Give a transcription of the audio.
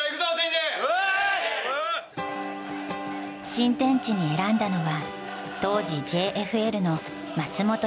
新天地に選んだのは当時ＪＦＬの松本山雅。